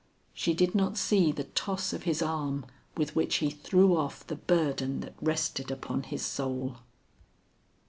She did not see the toss of his arm with which he threw off the burden that rested upon his soul.